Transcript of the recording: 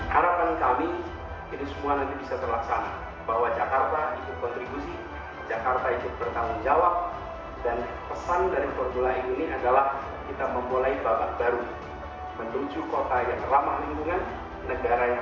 harapan kami ini semua nanti bisa terlaksana bahwa jakarta ikut kontribusi jakarta ikut bertanggung jawab dan pesan dari formula e ini adalah kita memulai babak baru menuju kota yang ramah lingkungan